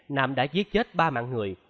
nam đã giết chết ba mạng người